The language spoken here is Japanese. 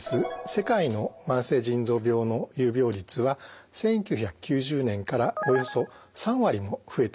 世界の慢性腎臓病の有病率は１９９０年からおよそ３割も増えています。